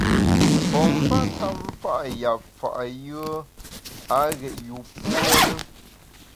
Pompa ntap mfa’ yap fa’ yùe a ghét yûpuo ne.